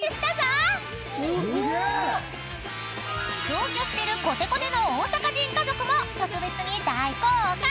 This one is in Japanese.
［同居してるコテコテの大阪人家族も特別に大公開！］